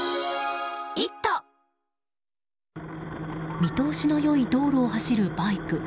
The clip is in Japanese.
見通しの良い道路を走るバイク。